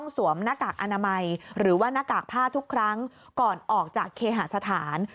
สวมหน้ากากอนามัยหรือว่าหน้ากากผ้าทุกครั้งก่อนออกจากเคหาสถาน